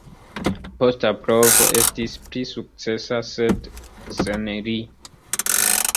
Posta provo estis pli sukcesa, sed sen li.